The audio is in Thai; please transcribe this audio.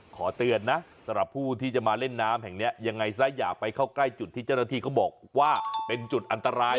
ขอเตือนนะสำหรับผู้ที่จะมาเล่นน้ำแห่งนี้ยังไงซะอยากไปเข้าใกล้จุดที่เจ้าหน้าที่เขาบอกว่าเป็นจุดอันตราย